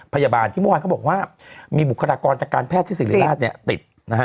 พยาบาลที่เมื่อวานเขาบอกว่ามีบุคลากรตการแพทย์ที่ศรีราชติด